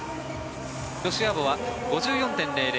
ロシアーボは５４．００。